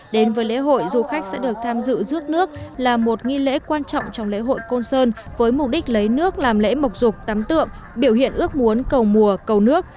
đến với lễ hội du khách sẽ được tham dự rước nước là một nghi lễ quan trọng trong lễ hội côn sơn với mục đích lấy nước làm lễ mộc rục tắm tượng biểu hiện ước muốn cầu mùa cầu nước